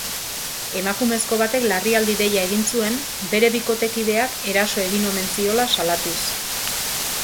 Emakumezko batek larrialdi deia egin zuen bere bikotekideak eraso egin omen ziola salatuz.